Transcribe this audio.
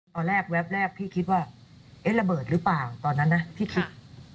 แวบแรกพี่คิดว่าเอ๊ะระเบิดหรือเปล่าตอนนั้นนะพี่คิด